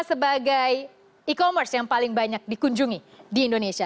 sebagai e commerce yang paling banyak dikunjungi di indonesia